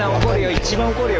一番怒るよ